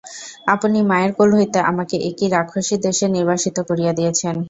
আপনি মায়ের কোল হইতে আমাকে এ কী রাক্ষসীর দেশে নির্বাসিত করিয়া দিয়াছেন!